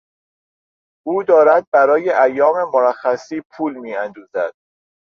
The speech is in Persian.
او دارد برای ایام مرخصی پول میاندوزد.